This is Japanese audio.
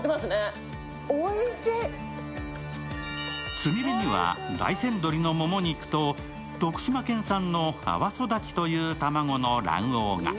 つみれには大山鶏のもも肉と徳島県産の阿波育ちという卵の卵黄が。